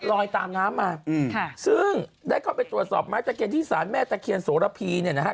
ลอยตามน้ำมาอืมค่ะซึ่งได้เข้าไปตรวจสอบไม้ตะเคียนที่สารแม่ตะเคียนโสระพีเนี่ยนะฮะ